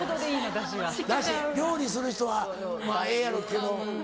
出汁料理する人はまぁええやろうけど。